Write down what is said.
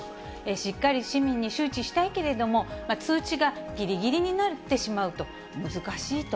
しっかり市民に周知したいけれども、通知がぎりぎりになってしまうと、難しいと。